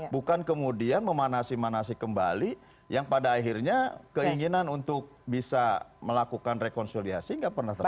bukan kemudian memanasi manasi kembali yang pada akhirnya keinginan untuk bisa melakukan rekonsiliasi nggak pernah terjadi